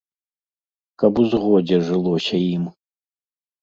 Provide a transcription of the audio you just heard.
Каб у згодзе жылося ім.